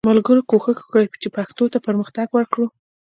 ملګرو کوښښ وکړئ چې پښتو ته پرمختګ ورکړو